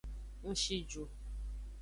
Ng shi ju.